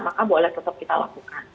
maka boleh tetap kita lakukan